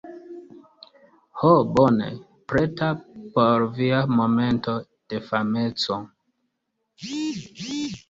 Ho bone... preta por via momento de fameco